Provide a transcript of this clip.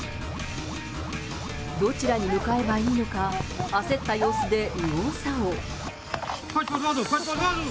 どちらに向かえばいいのか、焦った様子で右往左往。